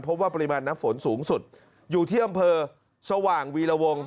ปริมาณน้ำฝนสูงสุดอยู่ที่อำเภอสว่างวีรวง